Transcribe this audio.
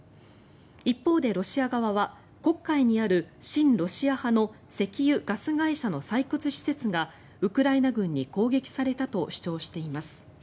一方でロシア側は黒海にある親ロシア派の石油・ガス会社の採掘施設がウクライナ軍に攻撃されたと主張しています。